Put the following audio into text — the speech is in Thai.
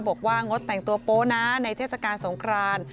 งดแต่งตัวโป๊นะในเทศกาลสงคราน